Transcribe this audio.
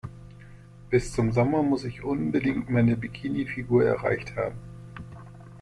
Bis zum Sommer muss ich unbedingt meine Bikini-Figur erreicht haben.